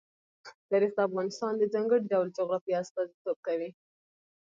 تاریخ د افغانستان د ځانګړي ډول جغرافیه استازیتوب کوي.